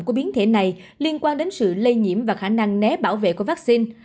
của biến thể này liên quan đến sự lây nhiễm và khả năng né bảo vệ của vaccine